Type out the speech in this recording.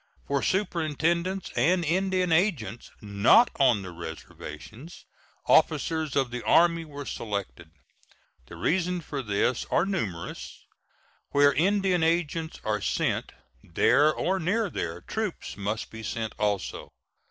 For superintendents and Indian agents not on the reservations, officers of the Army were selected. The reasons for this are numerous. Where Indian agents are sent, there, or near there, troops must be sent also.